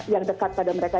yang dekat pada mereka